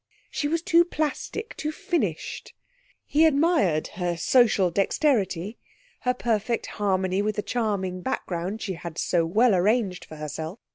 She was too plastic, too finished. He admired her social dexterity, her perfect harmony with the charming background she had so well arranged for herself.